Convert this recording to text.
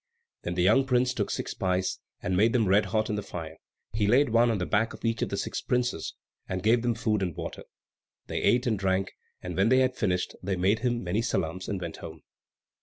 Then the young prince took six pice, and made them red hot in the fire; he laid one on the back of each of the six princes, and gave them good food and water. They ate and drank; and when they had finished they made him many salaams and went home.